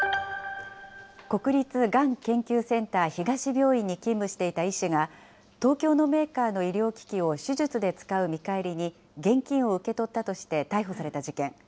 国立がん研究センター東病院に勤務していた医師が、東京のメーカーの医療機器を手術で使う見返りに、現金を受け取ったとして逮捕された事件。